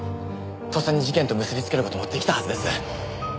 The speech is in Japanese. とっさに事件と結びつける事も出来たはずです。